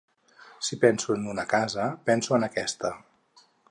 Si penso en una casa, penso en aquesta.